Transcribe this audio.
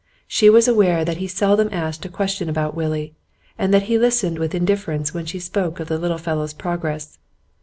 She was aware that he seldom asked a question about Willie, and that he listened with indifference when she spoke of the little fellow's progress.